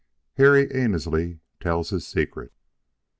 HARRY ANNESLEY TELLS HIS SECRET.